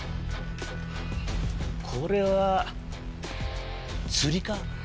これは釣りか？